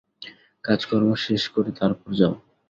কাজকর্ম শেষ করে তারপর যাও।